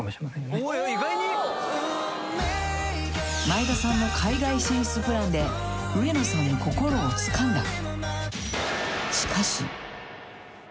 ［前田さんの海外進出プランで上野さんの心をつかんだ］